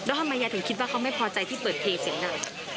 แล้วทำไมยายถึงคิดว่าเขาไม่พอใจที่เปิดเพลงเสียงดัง